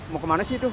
mau kemana sih itu